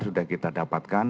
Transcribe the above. sudah kita dapatkan